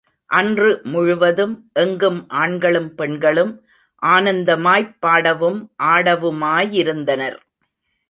அன்று முழுவதும் எங்கும் ஆண்களும் பெண்களும் ஆனந்தமாய்ப் பாடவும் ஆடவுமாயிருந்தனர்.